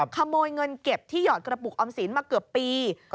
ขโมยเงินเก็บที่หยอดกระปุกออมสินมาเกือบปี